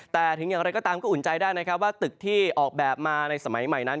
แต่ถึงอย่างไรก็ตามก็อุ่นใจได้นะครับว่าตึกที่ออกแบบมาในสมัยใหม่นั้น